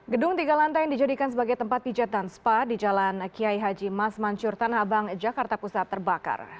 gedung tiga lantai yang dijadikan sebagai tempat pijat dan spa di jalan kiai haji mas mansur tanah abang jakarta pusat terbakar